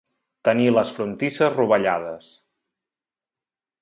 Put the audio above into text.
Tenir les frontisses rovellades.